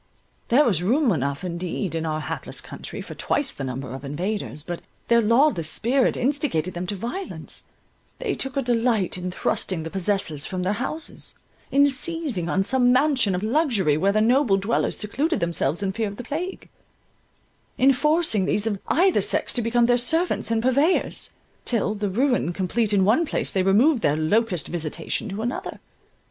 There was room enough indeed in our hapless country for twice the number of invaders; but their lawless spirit instigated them to violence; they took a delight in thrusting the possessors from their houses; in seizing on some mansion of luxury, where the noble dwellers secluded themselves in fear of the plague; in forcing these of either sex to become their servants and purveyors; till, the ruin complete in one place, they removed their locust visitation to another.